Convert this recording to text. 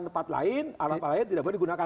di tempat lain alam lain tidak boleh digunakan